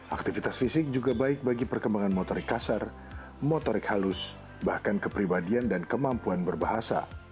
aktivitas fisik juga baik bagi perkembangan motorik kasar motorik halus bahkan kepribadian dan kemampuan berbahasa